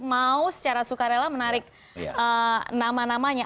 mau secara sukarela menarik nama namanya